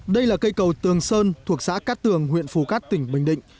đây là cây cầu tường sơn thuộc xã cát tường huyện phù cát tỉnh bình định